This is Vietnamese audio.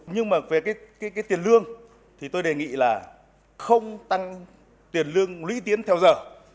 nhưng mà về cái tiền lương thì tôi đề nghị là không tăng tiền lương lũy tiến theo giờ